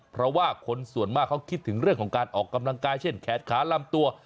เพราะว่าคนส่วนมากเขาคิดถึงเรื่องของการออกกำลังกายเช่นแขนขาลำตัว